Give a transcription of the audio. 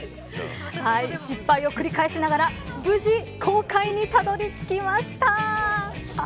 失敗を繰り返しながら無事、公開にたどり着きました。